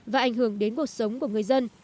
và ảnh hưởng đến cuộc sống của người dân